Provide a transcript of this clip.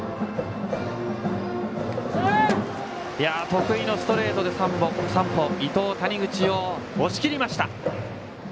得意のストレートで山保が伊藤、谷口を押し切りました。